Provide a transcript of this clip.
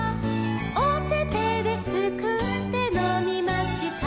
「おててですくってのみました」